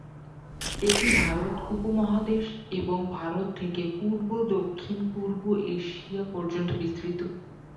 এটি ভারত উপমহাদেশ এবং ভারত থেকে পূর্ব-দক্ষিণপূর্ব এশিয়া পর্যন্ত বিস্তৃত।